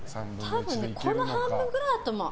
多分、この半分くらいだと思う。